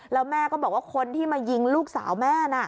แล้วแม่ก็บอกว่าคนที่มายิงลูกสาวแม่น่ะ